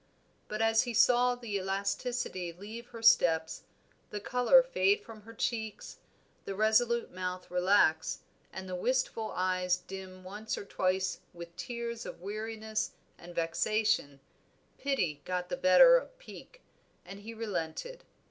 But as he saw the elasticity leave her steps, the color fade from her cheeks, the resolute mouth relax, and the wistful eyes dim once or twice with tears of weariness and vexation, pity got the better of pique, and he relented.